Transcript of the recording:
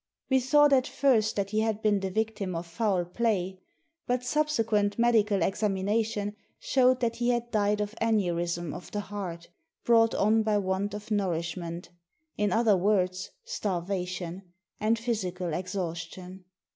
We thought at first that he had been the victim of Digitized by VjOOQIC THE VIOLIN IIS foul play. But subsequent medical examination showed that he had died of aneurism of the heart, brought on by want of nourishment — in other words, starvation — and physical exhaustion.